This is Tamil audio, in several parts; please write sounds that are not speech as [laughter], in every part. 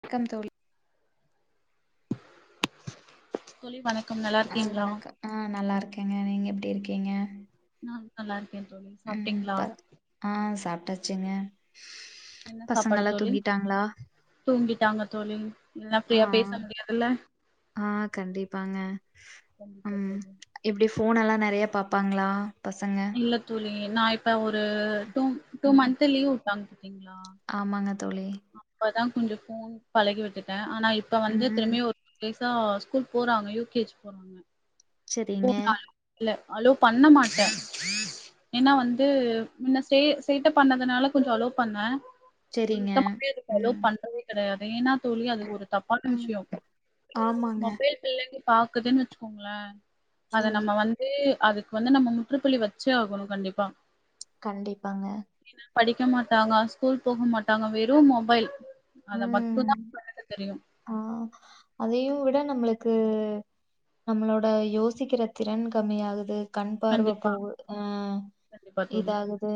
வணக்கம் தோழி தோழி வணக்கம் ஆ நல்லாருக்கீங்களா வணக்கம் ஆ நல்லாயிருக்கேங்க நீங்க எப்டி இருக்கீங்க நா நல்லாருக்கே தோழி ம் சாப்ட்டீங்ளா ப ஆ சாப்பிட்டாச்சுங்க என்ன சாப்பாடு பசங்களா தோழி தூங்கிட்டாங்ளா தூங்கிட்டாங்க தோழி இல்லன்னா ஆ ஃப்ரீயா பேச முடியாதுல்ல ஆ கண்டிப்பாங்க கண்டிப்பா ம் தோழி எப்டி ஃபோன் எல்லா நெறய பாப்பாங்களா பசங்க இல்ல தோழி நா இப்ப ஒரு டூ டூ ம் மன்த் லீவ் உட்டாங்க பாத்தீங்ளா ஆமாங்க தோழி அப்பதா கொஞ்சொ ஃபோன் பழகி விட்டுட்டே ஆனா இப்ப வந்து ம் திரும்பியு ஒரு டேஸா ஸ்கூல் போறாங்க யூ கே ஜி போறாங்க போ செரிங்க நால் இல்ல அலோ பண்ண மாட்ட ஏனா வந்து முன்ன சே சேட்ட பண்ணதுனால கொஞ்சொ அலோ பண்ண இப்ப செரிங்க சுத்தமாவே அதுக்கு அலோ ம் பண்றதே த அது ஏனா தோழி அது ஒரு தப்பான ம் விஷ்யொ ஆமாங்க மொபைல் பிள்ளைங்க பாக்குதுன் வெச்சுக்கோங்களே அத ம் நம்ம வந்து அதுக்கு வந்து நம்ம முற்றுப்புள்ளி வச்சே ஆகணு கண்டிப்பா கண்டிப்பாங்க ஏனா படிக்க மாட்டாங்க ஸ்கூல் போக மாட்டாங்க வெறு மொபைல் அத ம் மட்டு்ந்தா கண்ணுக்கு தெரியு ஆ அதையு விட நம்மளுக்கு நம்மளோட யோசிக்கிற திறன் கம்மியாகுது கண் பார்வ கண்டிப்பா போகு ஆ கண்டிப்பா தோழி இதாகுது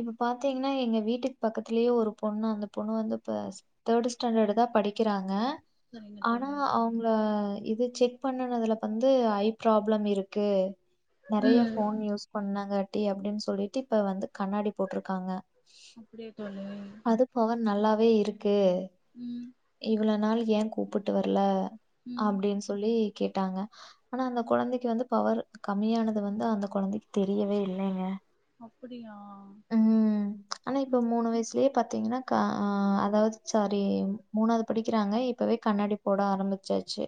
இப்ப பாத்தீங்னா எங்க வீட்டுக்கு பக்கத்திலயே ஒரு பொண்ணு அந்த பொண்ணு வந்து ஃபஸ்ட் தேட் ஸ்டாண்டர்டு தா படிக்கிறாங்க சரிங்க ஆனா தோழி அவ் ங்கள இது செக் பண்ணணுதுல வந்து ஐ ப்ராப்ளம் இருக்கு நெறைய ம் ஃபோன் யூஸ் பண்ணங்காட்டி அப்டின் சொல்லிட்டு இப்ப வந்து கண்ணாடி போட்ருக்காங்க அப்டியா தோழி பவர் நல்லாவே இருக்கு ம் இவ்வளவு நாள் ஏ கூப்பிட்டு வர்ல ம் அப்டீன் சொல்லி கேட்டாங்க ஆனா அந்த கொழந்தைக்கு வந்து பவரு கம்மியானது வந்து அந்த கொழந்தைக்கு தெரியவே இல்லைங்க அப்படியா ம் ஆனா இப்ப ம் மூணு வயசுலயே பாத்தீங்னா கா ஆ அதாவது சரி மூணாது படிக்கிறாங்க இப்பவே கண்ணாடி போட ஆரம்பிச்சாச்சு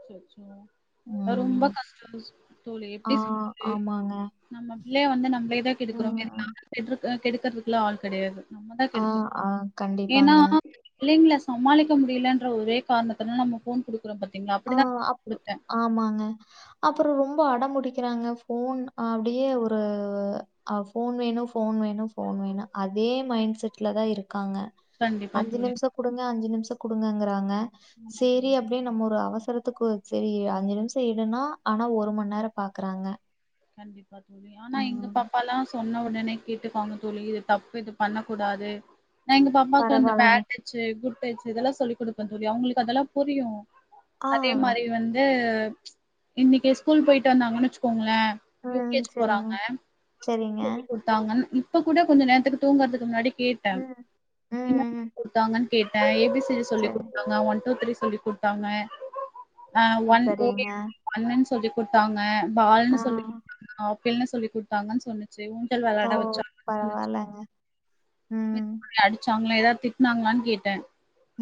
அச்சச்சோ ரொம்ப ம். கஷ்டோ தோழி ஆ எப்டி சொல்றது ஆமாங்க. நம்ம பிள்ளயே வந்து நம்மளே தா கெடுக்குற மாரி ம். நாம்ம கெடுக் கெடுக்கறதுகெல்லா ஆள் கெடையாது நம்மதா ஆ, கெடுக்குறோ ஆ ஏனா கண்டிப்பாங்க. பிள்ளைங்களே சமாளிக்க முடியலன்ற ஒரே காரணத்தினாலே நம்ம ஃபோன் குடுக்குறோ பாத்தீங்ளா ஆ அப் ஆமாங்க அப்பறோ ரொம்போ அடம்புடிக்கிறாங்க ஃபோன் அப்டியே ஒரு அ ஃபோன் வேணோ ஃபோன் வேணோ ஃபோன் வேணோ அதே மைண்ட் செட்ல தா இருக்காங்க கண்டிப்பா அஞ்சி தோழி நிம்ஷோ குடுங்க அஞ்சி நிம்ஷோ குடுங்கங்குறாங்க ஆமா சேரி தோழி அப்டீயே நம்ம ஒரு அவசரத்துக்கு செரி அஞ்சி நிம்ஷோ இருனா ஆனா ஒரு மண்நேரோ பாக்குறாங்க கண்டிப்பா தோழி ஆனா எங்க பாப்பாலா சொன்ன ஒடனே கேட்டுப்பாங்க தோழி இது தப்பு இது பண்ண கூடாது நா எங்க பாப்பாக்கு இந்த பரவால்லங்க. பேட் டச் சு குட் டச்சு இதெல்லா சொல்லி குடுப்பே தோழி அவுங்களுக்கு அதெல்லா புரியு ஆ அதே மாரி வந்து இன்னிக்கு ஸ்கூல் போயிட்டு வந்தாங்கன்னு வெச்சுக்கோங்களே ம் செரிங்க செரிங்க குடுத்தாங்கன் இப்ப கூட கொஞ்ச நேரத்துக்கு தூங்குறதுக்கு முன்னாடி கேட்டே ம், ம், என்னடி ம். சொல்லி குடுத்தாங்கன் கேட்டே ஏ பி சி டி சொல்லி சரி, குடுத்தாங்க ஒன் டூ த்ரீ சொல்லிக் குடுத்தாங்க அ ஒன் ஒ சரிங்க. என் இ ஒண்ணன்னு சொல்லி் குடுத்தாங்க பால்னு ஆ சொல்லி [inaudible] ஆப்பிள்னு சொல்லி குடுத்தாங்கன்னு சொன்னு ச்சு ஊஞ்சல் ஓ வெளாட வெச்சாங்கனு சொன்னுச்சு பரவால்லங்க. ம், [unintelligible] அடிச்சாங்களா எதாது திட்னாங்களானு கேட்டே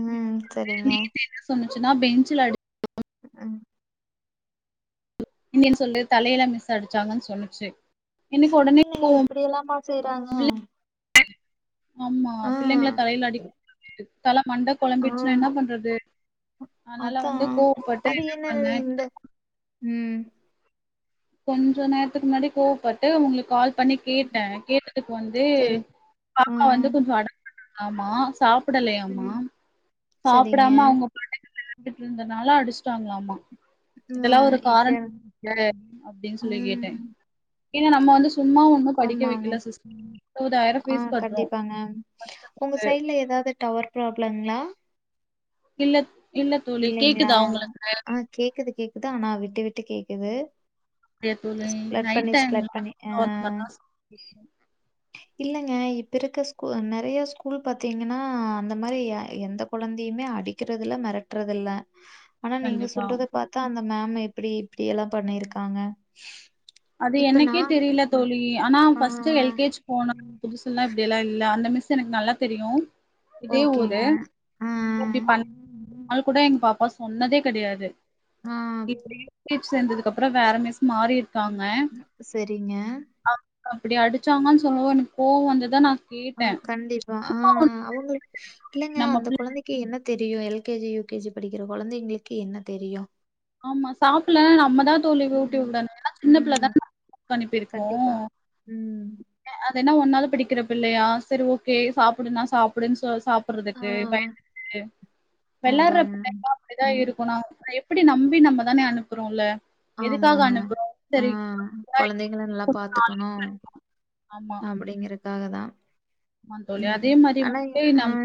ம் செரிங்க நேத்து என்ன சொன்னுச்சுன்னா பெஞ்சுல அடி ம் என்னயனு சொல்லு தலையில மிஸ் அடிச்சாங்கனு சொன்னுச்சு எனக்கு ஒடனே கோவம் அப்படியெல்லாமா செய்றாங்க ஆமா ஆ, பிள்ளைங்கள தலைல அடிக் [inaudible] தல மண்ட மூள ஆ கொழம்பீட்ச்சுன்னா என்ன பண்றது அதனால வந்து அதான். கோவப்பட்டு என்ன பண்ணே உம் கொஞ்சோ நேரத்துக்கு முன்னாடி கோவப்பட்டு உங்குளுக்கு கால் பண்ணி கேட்டே கேட்டதுக்கு வந்து சரி. ஆ பாப்பா வந்து கொஞ்சோ அடோ பண்ணாளாமா சாப் படலயாமா ம் சரிங்க. சாப்படாம அவுங்க [unintelligible] இருந்ததுனால அடிச்சுட்டாங்களாமா ஆ இதெல்லா ஒரு இட்ட காரண [unintelligible] அப்டீன்னு சொல்லி கேட்டே ம் ஏன்னா நம்ம வந்து சும்மா ஒண்ணு படிக்க ஆமாங்க வைக்கல சிஸ்டர் இருவதாயிரோ ஆ ஃபீஸ் கட்றோ கண்டிப்பாங்க உங்க வருஷத்துக்கு சைடுல ஏதாவது டவர் ப்ராபளங்களா? இல்ல இல்ல தோழி இல்லைங்களா? கேக்குதா உங்குளுக்கு ஆ கேக்குது கேக்குதா ஆனா விட்டு விட்டு கேக்குது இல்லையா தோழி ஸ்பிளட் நைட் பண்ணி டைம்ல ஸ்பிளட் பண்ணி ஆ அந்த மாரிலா சாப்ட இல்லைங்க இப்ப இருக்க ஸ்கூல் நறைய ஸ்கூல் பாத்தீங்கன்னா அந்த மாரி எந்த கொழந்தையுமே அடிக்கறது இல்ல மிரட்டுறது இல்ல ஆனா நீங்க கண்டிப்பா சொல்றத பாத் தா அந்த மேம் எப்புடி இப்புடி எல்லா பண்ணியிருக்காங்க அது இப்ப எனக்கே நான் தெரியல தோழி ஆனா ஆ ஃபர்ஸ்ட் எல்கேஜி போனா புதுசு எல்லா இப்டியெல்லா இல்ல அந்த மிஸ் எனக்கு நல்லா தெரியு இதே ஊரு ஓகேங்க. ஆ, இப்டி பண்ண அது கூட எங்க பாப்பா சொன்னதே கெடையாது ஆ இப்டி கிஃப் சேர்ந்ததுக்கு அப்ற வேற மிஸ் மாரிருக்காங்க சரிங்க. அப்டி அடிச்சாங்கன் சொன்னது எனக்கு கோவ வந்து நா ஆ கேட்டே கண்டிப்பா ஆ அவங்க இல்லங்க நம்ம அந்த பிள்ள கொழந்தைக்கு என்ன தெரியு எல்கேஜி யுகேஜி படிக்கிற கொழந்தைங்களுக்கு என்ன தெரியு ஆமா சாப்பட்லனா நம்மதா தோழி ம். ஊட்டிவிடனு ம். சின்னப்புள்ளதான கண்டிப்பிருக்கு கண்டிப்பா. ம் அ என்ன ஒன்னாது படிக்கிற பிள்ளையா சரி ஓகே சாப்புடுனா சாப்பு டுன் சொ சாப் ஆ ட்றதுக்கு பயந்து கிட்டு விளாடுற அதாங்க. புள்ளனா அப்டிதா ம். இருக்கனு அப்டி நம்பி நம்மதான அனுப்புறோல்ல எதுக்காக ஆமாங்க அனுப்புறோ ஆ சரி கொழந்தைங்கள நல்லா பாத்துக்கணு ஆமா அப்டிங்கறக்காக தா ஆமா தோழி அதே மாரி வந்து நம்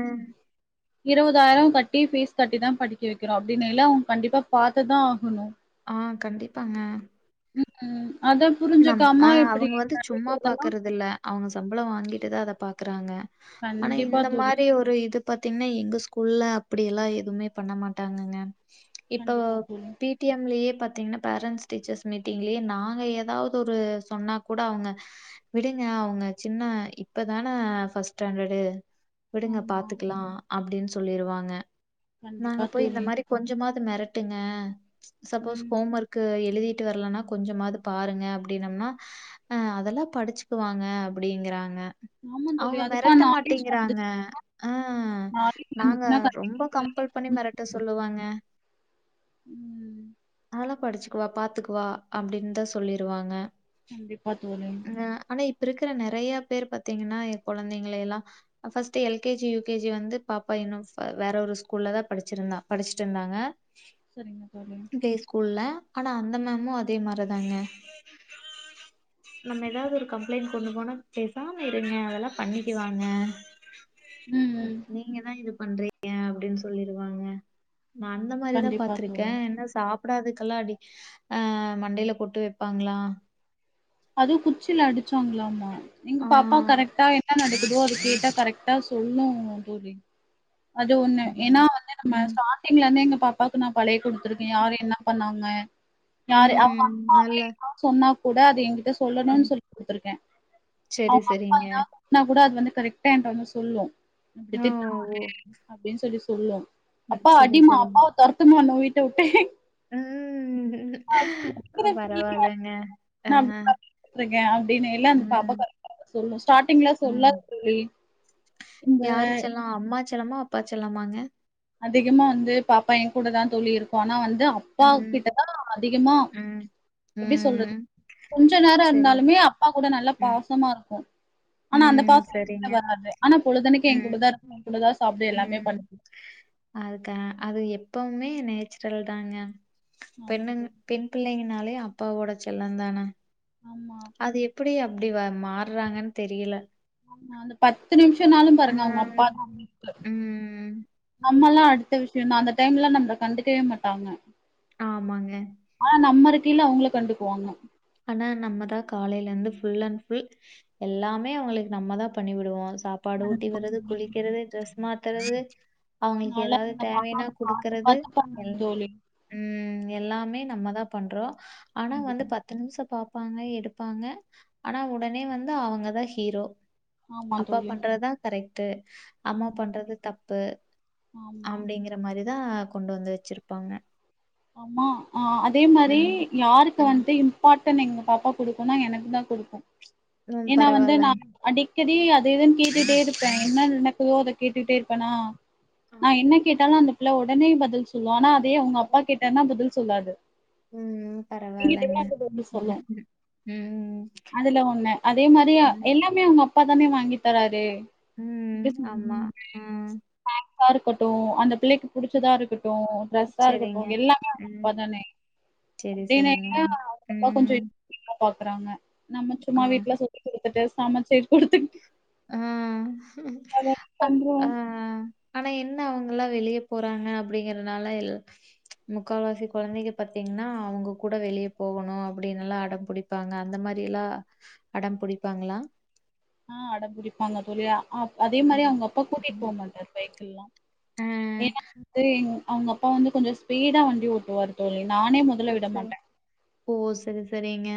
இருபதாயிர கட்டி ஃபீஸ் கட்டி தா படிக்க வைக்கிறோ அப்டின்னைல அவ கண்டிப்பா பாத்துதா ஆகணு ஆ கண்டிப்பாங்க ம் க்கு அத நம் ஆ புரிஞ்சுக்காம இப்டி அவங்க வந்து சும்மா நடக்கிறதெல்லா பாக்குறதுல்ல அவங்க சம்பள வாங்கிட்டு தா அத பாக்குறாங்க ஆனா கண்டிப்பா இந்த தோழி மாரி இந்த மாரி ஒரு இது பாத்தீங்கன்னா எங்க ஸ்கூல்லலா அப்டி எல்லா எதுமே பண்ண மாட்டாங்கங்க இப்போ கண்டிப்பா தோழி பிடிஎம்லயே பாத்தீங்கன்னா பேரண்ட்ஸ் டீச்சர்ஸ் மீட்டிங்லயே நாங்க எதாவது ஒரு சொன்னா கூட அவங்க விடுங்க அவங்க சின்ன இப்ப தான ஃபர்ஸ்ட் ஸ்டாண்டர்டு விடுங்க ஆமா பாத்துக்கலா அப்டின் சொல்லிருவாங்க நாங்க கண்டிப்பா போய் இந்த தோழி மாரி கொஞ்சமாவது மெரட்டுங்க சப்போஸ் ம் ஹோம் ஒர்க்கு எழுதிட்டு வரலனா கொஞ்சமாது பாருங்க அப்டின்னம்னா அ அதெல்லா படிச்சுக்குவாங்க அப்டிங்குறாங்க ஆமா தோழி அவங்க அதுக்கான மெரட்ட நாலேஜ் மாட்டேங்குறாங்க வந்துச்சு ஆ நாலேஜ் நாங்க வந்துச்சுன்னா ரொம்ப கண்டிப்பா கம்பல் பண்ணி மெரட்ட சொல்லுவங்க ம் அதெல்லா படிச்சு க்குவா பாத்துக்குவா அப்டின்தா சொல்லிருவாங்க கண்டிப்பா தோழி ஆனா இப்ப இருக்கற நெறய பேர் பாத்தீங்கன்னா எ கொழந்தைங்கள எல்லா ஃபர்ஸ்ட்டு எல்கேஜி யுகேஜி வந்து பாப்பா இன்னு வேற ஒரு ஸ்கூல்ல தா படிச்சிருந்தா படிச்சுட்டு இருந்தாங்க சரிங்க தோழி டே ஸ்கூல்ல ஆனா அந்த மேமு அதே மாரிதாங்க நம்ம எதாவது ஒரு கம்ப்ளைண்ட் கொண்டு போனா பேசாம இருங்க அதெல்லா பண்ணிக்குவாங்க ம் ம் நீங்க தா இது பண்றீங்க அப்டின் சொல்லிருவாங்க நா அந்த மாரிதா கண்டிப்பா பாத்திருக்க தோழி என்னா சாப்டாதுக்கெல்லா அடி ஆ மண்டைல கொட்டு வப்பாங்ளா அது குச்சில அடிச்சாங்களாமா எங்க ஆ. பாப்பா கரெக்டா என்ன நடந்து எதுவோ அத கேட்ட கரெக்டா சொல்லு தோழி அது ஒன்னு ஏன்னா ம். வந்து நம்ம ம். சட்டிங்கல இருந்தே எங்க பாப்பாவுக்கு நான் பழகி குடுத்துருக்கே யாரு என்ன பண்ணாங்க யாரு அவங்க ம். அப்பாவே நல்லா எதாவது சொன்னா கூட அது எங் சொல்லணுன்னு ம். சொல்லி் குடுத்துருக்கே சரி, அவங்க அப்பா சரிங்க. எதாவது திட்ணா கூட அது வந்து கரெக்டா ஏன்ட்ட வந்து சொல்லு இப்படி ஓ! ஓ! திட்ணாறு அப்டின்னு சொல்லி சொல்லும் ம். அப்பாவ சரி, அடிமா சரிங்க. அப்பாவ தொரத்துமா நம்ம வீட்ட உட்டே ம் அ பரவலாங்க ஆ ஹ இருக்கே அப்டின்னு எல்லா அந்த பாப்பா சொல்லு ஸ்டாட்டிங்ல ம். சொல்லாது தோழி இந்த ஆ அம்மா செல்லமா அப்பா செல்லமாங்க அதிகமா வந்து பாப்பா எங்கூட தா தோழி இருக்கு ஆனா வந்து ம். அப்பாக்கிட்டதா அதிகமா ம். எப்டி சொல்றது ம். கொஞ்சோ நேரோ சரி. இருந்தாலுமே அப்பா கூட நல்லா ம். பாசமா இருக்கூ ஆனா அந்த ம். பாசோ எங்கிட்ட சரிங்க. வராது ஆனா பொழுதன்னைக்கு என் ம். கூடதா இருக்கு என் கூடதா சாப்புடும் எல்லாமே ம். பண்ணு அதுக்க அது எப்பவுமே நேச்சுரல் தாங்க ஆமா பெண்ணுனா தோழி பெண் பிள்ளைங்கனாலே அப்பாவோட செல்லந்தான ஆமா ஆம் அது எப்டி அப்டி மாறாங்கன்னு தெரியல ஆ அந்த பத்து நிமிஷம்னாலு ஆ. பாருங்க அவங்க அப்பா தா ம். அம்மாலா அடுத்த விஷயோ தா அந்த டைம்லா நம்மள கண்டுக்கவே மாட்டாங்க ஆமாங்க ஆனா நம்ம இருக்கயில அவங்கள கண்டுக்குவாங்க ஆனா நம்ம தா காலைல இருந்து ஃபுல் அண்ட் ஃபுல் எல்லாமே அவங்களுக்கு நம்ம தான் பண்ணி விடுவோம் சாப் பாடு ஊட்டி வீட்றது குளிக்கிறது ட்ரெஸ் மாத்தறது அவங்களுக்கு நல்லா ஏதாவது எங்க தேவையன்னா பாப்பாக்கு பாத்து குடுக்கறது பாத்து பண்ணணும் எல்லா தோழி. ம் எல்லாமே நம்ம தா பண்றோ ஆனா வந்து கண்டிப்பா. பத்து நிமிஷோ பாப் பாங்க எடுப்பாங்க ஆனா உடனே வந்து அவங்கதா ஹீரோ ஆமா அப்பா தோழி. பண்றதுதா கரெக்ட்டு அம்மா ஆமா, பண்றது தப்பு ஆமா. அப்டிங்க அந்த மாரிதா கொண்டு வந்து வச்சிருப்பாங்க அமா அமா ஆ அதே மாரி ம். யாருக்கு ம். வன்ட்டு இம்பார்ட்டன் எங்க பாப்பா குடுக்குனா எனக்குதா குடுக்கு ம். ஏனா வந்து பரவாயில்ல. நா அடிக்கடி அது இதுனு கேட்டுட்டே இருப்பே என்ன நடக்குதோ அத கேட்டுட்டே இருப்பேனா ஆமா. நா என்ன கேட்டாலு அந்த பிள்ள உடனே பதில் சொல்லோ ஆனா அதே அவங்க அப்பா கேட்டாருன்னா பதில் சொல்லாது ம் என்கிட்டயே பரவாலங்க வந்து பதில் ம் சொல்லும். ம் ம் அதுல ஒன்னு அதே மாரி ம் எல்லா மே அவங்க அப்பா தானே வாங்கி தராரு ம் ட்ரெஸ்ஸு ம் ஆமா. ம் சாக்ஸா இருக்கட்டு அந்த பிள்ளைக்கு புடிச்சதா இருக்கட்டு ட்ரெஸ்ஸா இருக்கட் டு சரிங்க. எல்லாமே அவங்க ம். அப்ப தானே சரி, சரிங்க. அப்டிநேங்களா அவங்க அப்பா ம். கொஞ்சோ எல்லா பாக்குறாங்க நம்ம ஆ. சும்மா வீட்ல சொல்லி குடுத்துட்டு சமச்சு குடுத்துட்டு ஆ அத அ பண்றோ அ ஆனா என்ன அவங்களா வெளிய போறாங்க அப்படிங்கிறனால எல் முக்காவாசி கொழந்தைங்க பாத்தீங்ன்னா அவங்க கூட வெளியே போகணு அப்டின்னுல்லா அடம்பிடிப் பாங்க அந்த மாரிலா அடம் புடிப்பாங்களா ஆ அடம்பிடிப்பாங்க தோழி ஆ அதே மாரி ம். அவங்க அப்பா கூட்டிட்டு ம். போ மாட்டாரு பைக்கிள்ல்லா ஆ. ஏனா வந்து அவங்க அப்பா வந்து கொஞ்சோ ஸ்பீடா வண்டி ஓட்டுவாரு தோழி நானே மு ம் சரி ஓ சரி சரிங்க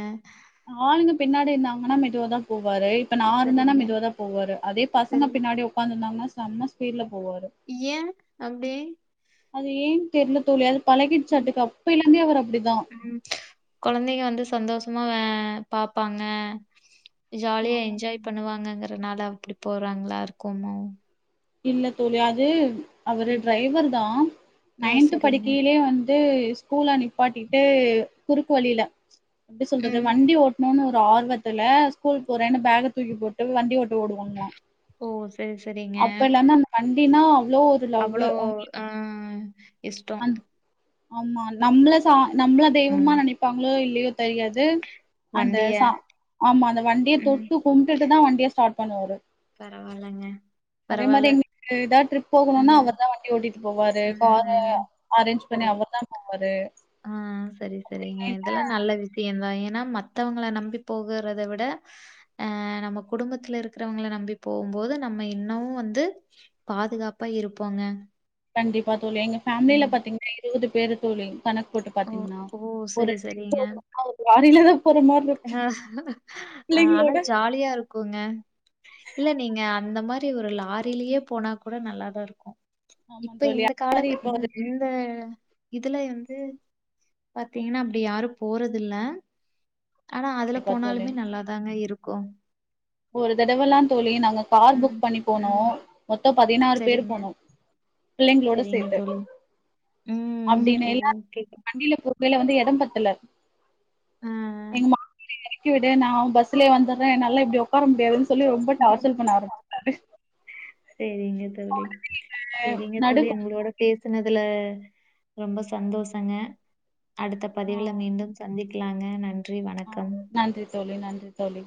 ஆளுங்க பின்னாடி இருந்தாங்கன்னா மெதுவாதா போவாரு இப்ப நா இருந்தேனா சரிங்க. மெதுவாதா போவாரு அதே பசங்க சரி. பின்னாடி உக்காந்து இருந்தாங்கன்னா செம்ம ஸ்பீட்ல போவாரு ஏ அப்டி அது ஏன் தெர்ல தோழி அது ம். பழகிர்ச்சாட்டுக்கு அப்பயிலே இருந்தே அவர் அப்டிதா ம் கொழந்தைக வந்து சந்தோஷமா வே பாப்பாங்க ஜாலியா என்ஜாய் பண்ணுவாங்கங்குறனால அப்டி போறாங்களா இருக்குமோ இல்ல தோழி அது அவரு ம் டிரைவர்தா ஓ நைன்த்து சரிங்க படிக்கையிலே வந் து ஸ்கூல நிப்பாட்டிட்டு குறுக்கு வழில எப்டி சொல்றது ம் வண்டி ஓட் டனுன்னு ஒரு ஆர்வத்துல ஸ்கூல் போறேன்னு பேக்க தூக்கி போட்டு வண்டி ஓட்ட ஓடுவாங்களா ஓ செரி சரி அப்பல இருந்து அந்த வண்டினா அவ்ளோ ஒரு அவ்வளோ லவ்வு அ இஷ்டோ ஆமா நம்மள சா நம்மள தெய்வமா ம் நெனைப்பாங்களோ இல்லையோ தெரியாது அந்த வண்டிய சா ஆமா அந்த வண்டிய ம் தொட்டு கும்ட்டுட்டுதா வண்டிய ஸ்டார்ட் பண்ணுவாரு பரவால்லங்க அதே மாரி பரவால்ல எங்களுக்கு ஏதா ட்ரிப் போகணுனா ம் அவர்தா வண்டி ஓட்டிட்டு போவாரு கார ம் சரி ஆ சரி சரிங்க இதெல்லா நல்ல வி விசயந்தா ஏனா மத்தவங்கள நம்பி போகுறத விட அ நம்ம குடும்பத்துல இருக்கிறவங்கள நம்பி போம்போது நம்ம இன்னு வந்து பாதுகாப்பா இருப்போங்க கண்டிப்பா தோழி எங்க ஃபேமிலல ம். பாத்தீங்கன்னா இருவது பேரு தோழி கணக்கு போட்டு ஓ பாத்தீங்கன்னா ஓ! ஒரு சரி, ட்ரிப் போகணுனா ஒரு லாரிலதா போற மாரி இருக் ஹ ஆனா ஜாலியா இருக்குங்க இல்ல நீங்க அந்த மாரி ஒரு லாரிலயே போனா கூட நல்லதா இருக்கு ஆமா இப்ப தோழி இந்த அது மாரி காலத்து இப்ப இந் ஒரு இந் த இதுல வந்து பாத்தீங்கன்னா அப்டி யாரு போறதில்ல ஆனா அதுல கண்டிப்பா தோழி போனாலுமே நல்லாதாங்க இருக்கு ஒரு தடவெல்லா தோழி நாங்க கார் ம், புக் பண்ணி போனோ ம். மொத்த பதினாறு பேர் சரிங்க, போனோ பிள்ளைங்களோட சரிங்க சேத்து தோழி. ம். அப்டின்னு எல்லாரு ஓகே. வண்டியில போ கேல வந்து இடம் பத்தல ஆ. எங்க மாமியார எர க்கி விடு நா பஸ்லே வந்தறே என்னால இப்டி உட்கார முடியாதுன்னு சொல்லி ரொம்ப டார்ச்சர் பண்ண ஆரம்பிச்சிட்டாரு செரி ங்க தோழி செரிங்க நடு தோழி உங்களோட பேசுனதுல ரொம்ப சந்தோஷங்க அடுத்த ஆ பதிவுல மீண்டும் சந்திக்கலாங்க நன்றி ஆ வணக்கம் நன்றி தோழி நன்றி தோழி